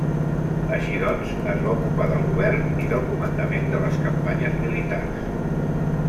Així doncs, es va ocupar del govern i del comandament de les campanyes militars.